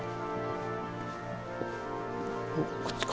おこっちか。